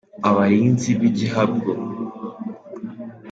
Abarinzi bigihabgo.